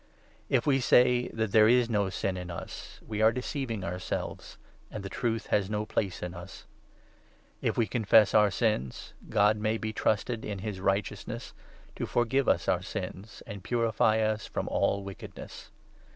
If we say that there is no sin in us, we are deceiv 8 ing ourselves, and the Truth has no place in us. If we confess 9 our sins, God may be trusted, in his righteousness, to forgive us our sins and purify us from all wickedness.